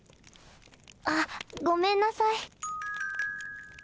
あっごめんなさい。